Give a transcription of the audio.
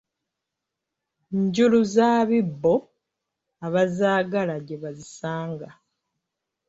Njulu z’abibbo abazaagala gye bazisanga.